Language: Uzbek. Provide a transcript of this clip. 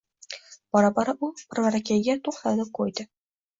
Bora-bora birvarakayiga to‘xtadi-ko‘ydi